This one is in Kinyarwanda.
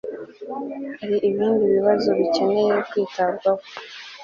Hari ibindi bibazo bikeneye kwitabwaho